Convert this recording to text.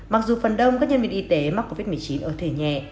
mặc dù phần đông các nhân viên y tế mắc covid một mươi chín ở thể nhẹ